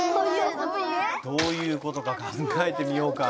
どういうことか考えてみようか。